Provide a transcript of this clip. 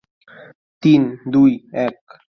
তিন, দুই, এক।